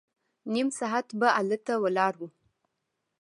نيم ساعت به هلته ولاړ وو.